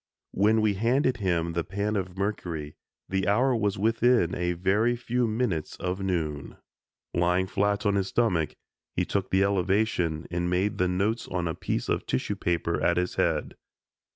When we handed him the pan of mercury the hour was within a very few minutes of noon. Lying flat on his stomach, he took the elevation and made the notes on a piece of tissue paper at his head.